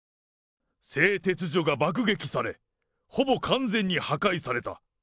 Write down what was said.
製鉄所が爆撃され、ほぼ完全に破壊された。